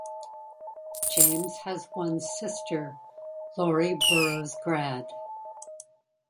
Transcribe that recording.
James has one sister, Laurie Burrows Grad.